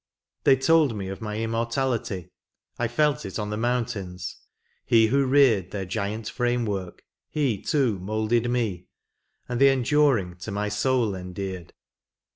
They told me of my immortality : I felt it on the mountains ; He who reared Their giant frame work. He, too, moulded me. And the enduring to my soul endeared.